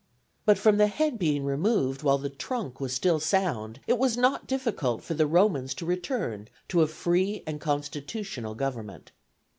But from the head being removed while the trunk was still sound, it was not difficult for the Romans to return to a free and constitutional government.